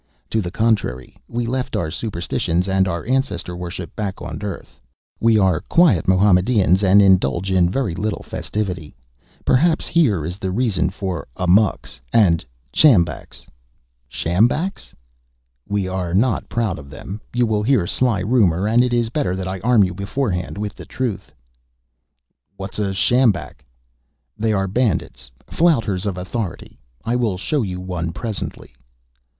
"To the contrary. We left our superstitions and ancestor worship back on Earth. We are quiet Mohammedans and indulge in very little festivity. Perhaps here is the reason for amoks and sjambaks." "Sjambaks?" "We are not proud of them. You will hear sly rumor, and it is better that I arm you beforehand with truth." "What is a sjambak?" "They are bandits, flouters of authority. I will show you one presently."